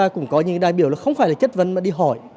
cũng có những đại biểu là không phải là chất vấn mà đi hỏi